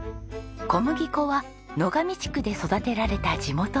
小麦粉は野上地区で育てられた地元産。